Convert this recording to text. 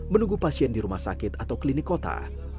menunggu pasien di rumah sakit atau klinik kota